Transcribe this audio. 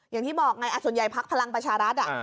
อย่างที่บอกไงส่วนใหญ่พักพลังประชารัฐ